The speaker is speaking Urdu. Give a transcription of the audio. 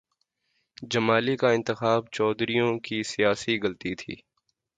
جمالی کا انتخاب چودھریوں کی سیاسی غلطی تھی۔